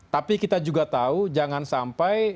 tapi kita juga tahu jangan sampai